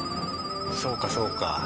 そうかそうか。